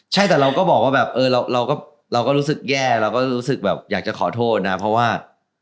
ใช่แต่เราก็บอกว่าแบบเราก็รู้สึกแย่เราก็รู้สึกแบบอยากจะขอโทษนะเพราะว่า